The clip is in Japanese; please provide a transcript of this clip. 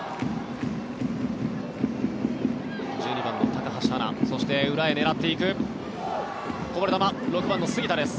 １２番の高橋はなそして裏へ狙っていくこぼれ球、６番の杉田です。